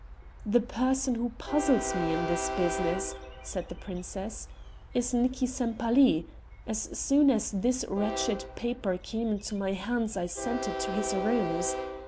"The person who puzzles me in this business," said the princess, "is Nicki Sempaly. As soon as this wretched paper came into my hands I sent it to his rooms.